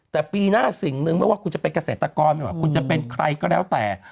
แต่ปีหน้าสิ่งหนึ่งไม่ว่าคุณจะเป็นเกษตรกรไม่ว่าคุณจะเป็นใครก็แล้วแต่